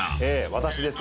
私です。